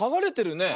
ねえ。